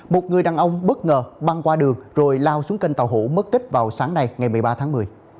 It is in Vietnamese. một người đàn ông bất ngờ băng qua đường rồi lao xuống kênh tàu hủ mất tích vào sáng nay ngày một mươi ba tháng một mươi